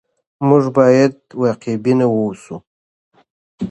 موږ بايد واقعبينه اوسو.